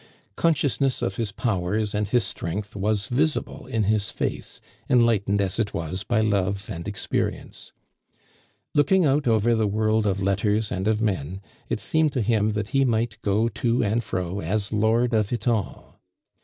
Consciousness of his powers and his strength was visible in his face, enlightened as it was by love and experience. Looking out over the world of letters and of men, it seemed to him that he might go to and fro as lord of it all.